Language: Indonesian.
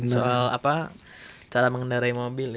soal apa cara mengendarai mobil ya